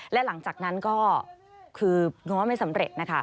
และหลังจากนั้นก็คือง้อไม่สำเร็จนะคะ